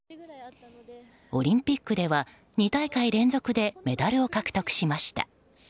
オリンピックでは２大会連続でメダルを獲得しました。